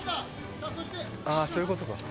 ああそういう事か。